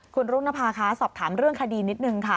คุณรุ่งนภาคะสอบถามเรื่องคดีนิดนึงค่ะ